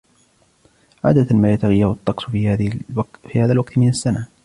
عادةً ما يتغير الطقس في هذا الوقت من السنة.